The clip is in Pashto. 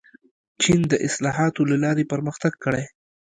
چین د اصلاحاتو له لارې پرمختګ کړی.